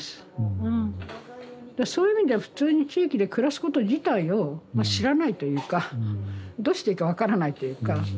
だからそういう意味では普通に地域で暮らすこと自体をまあ知らないというかどうしていいか分からないっていうか。